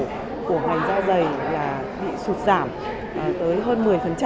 cái tăng trưởng xuất khẩu của ngành da dày là bị sụt giảm tới hơn một mươi